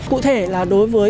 cụ thể là đối với